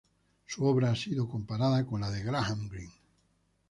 Su obra ha sido comparada con la de Graham Greene.